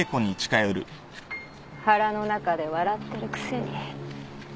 腹の中で笑ってるくせに。